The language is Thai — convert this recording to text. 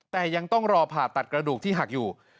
แต่ยังต้องรอผ่าตัดกระดูกที่หักอยู่